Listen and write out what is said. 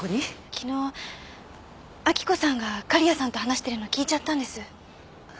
昨日明子さんが狩矢さんと話してるの聞いちゃったんです。